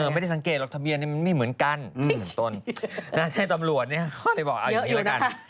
ไม่ได้สังเกตรถ้าเบียนมันไม่เหมือนกันน่าที่ตำรวจก็เลยบอกเอาอยู่แล้วกัน